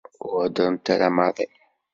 Ur heddrent ara maḍi.